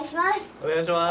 お願いします。